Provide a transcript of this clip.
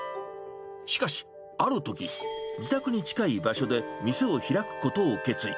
しかし、あるとき、自宅に近い場所で店を開くことを決意。